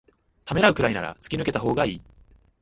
ためらうくらいなら突き抜けたほうがいい